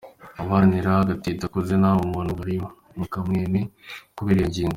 Abaharanira agateka ka zina muntu bari mu kamwemwe kubera iyo ngingo.